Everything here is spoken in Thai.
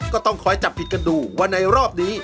ก็ต้องคอยจับผิดกันดูว่าในรอบนี้